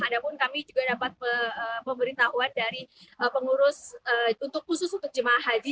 namun kami juga dapat memberi tahuan dari pengurus untuk khusus untuk jemaah haji